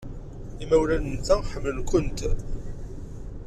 Imawlan-nteɣ ḥemmlen-kent.